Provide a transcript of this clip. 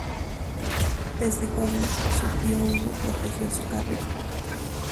Desde joven, su tío Hugo protegió su carrera.